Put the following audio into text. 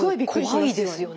怖いですよね。